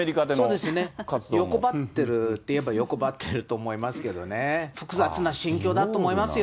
そうですね、欲張ってるといえば欲張ってると思いますけどね、複雑な心境だと思いますよ。